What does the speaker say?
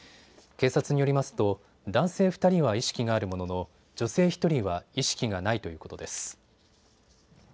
警察によりますと男性２人は意識があるものの女性１人は意識がないということです。